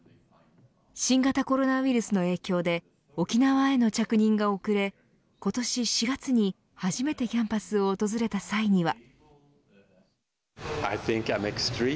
新型コロナウイルスの影響で沖縄への着任が遅れ、今年４月に初めてキャンパスを訪れた際には。